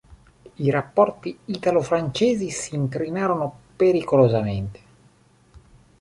I rapporti italo-francesi s'incrinarono pericolosamente.